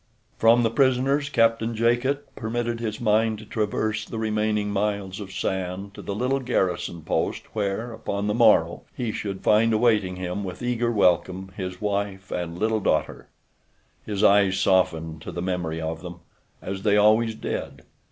From the prisoners Captain Jacot permitted his mind to traverse the remaining miles of sand to the little garrison post where, upon the morrow, he should find awaiting him with eager welcome his wife and little daughter. His eyes softened to the memory of them, as they always did.